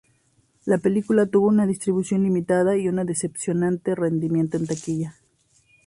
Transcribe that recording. La película tuvo una distribución limitada y un decepcionante rendimiento en taquilla.